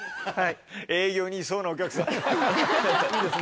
はい。